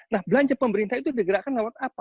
nah belanja pemerintah itu digerakkan lewat apa